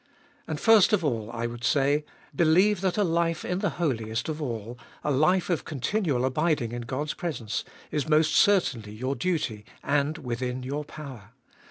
And first of all I would say : Believe that a life in the Holiest of All, a life of continual abiding in God's presence, is most certainly your duty and within your power.